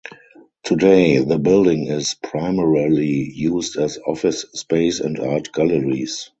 Today the building is primarily used as office space and art galleries.